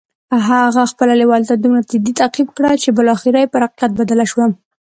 هغه خپله لېوالتیا دومره جدي تعقيب کړه چې بالاخره پر حقيقت بدله شوه.